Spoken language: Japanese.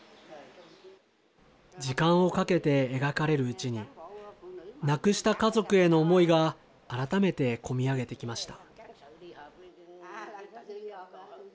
時間をかけて描かれるうちに、亡くした家族への思いが改めて込み上げてきました。